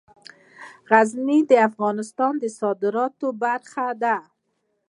غزني د افغانستان د صادراتو برخه ده.